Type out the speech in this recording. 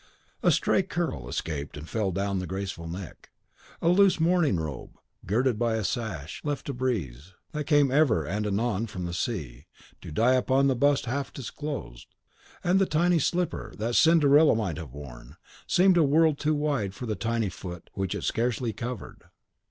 A stray curl escaped and fell down the graceful neck. A loose morning robe, girded by a sash, left the breeze. That came ever and anon from the sea, to die upon the bust half disclosed; and the tiny slipper, that Cinderella might have worn, seemed a world too wide for the tiny foot which it scarcely covered.